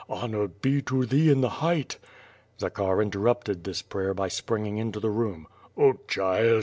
Honor be to thee in the height!" Zakhar interrupted this prayer by springing into the room: "Oh, cliild!